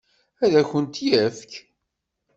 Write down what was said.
Ad akent-t-yefk?